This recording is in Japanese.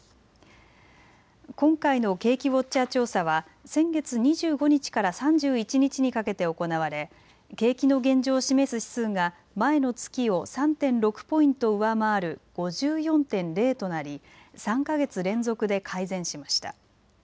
今回の景気ウォッチャー調査は先月２５日から３１日にかけて行われ景気の現状を示す指数が前の月を３．６ポイント上回る５４．０となり３か月連続で改善しました。